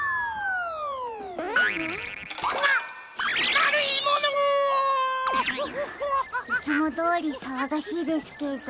まるいもの！いつもどおりさわがしいですけど。